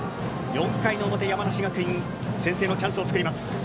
４回の表、山梨学院先制のチャンスを作ります。